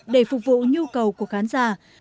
để phục vụ các nhà làm phim